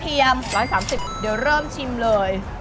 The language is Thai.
๑๓๐เดี๋ยวเริ่มชิมเลย